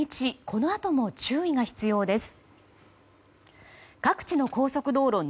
このあとも注意が必要です。